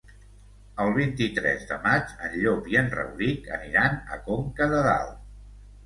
El vint-i-tres de maig en Llop i en Rauric aniran a Conca de Dalt.